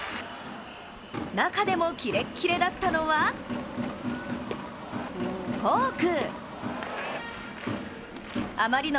中でもキレッキレだったのは、フォーク。